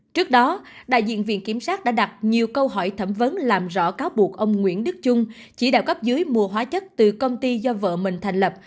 trước đó đại diện viện kiểm sát đã đặt nhiều câu hỏi thẩm vấn làm rõ cáo buộc ông nguyễn đức trung chỉ đạo cấp dưới mua hóa chất từ công ty do vợ mình thành lập